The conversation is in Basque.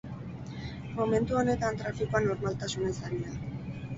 Momentu honetan trafikoa normaltasunez ari da.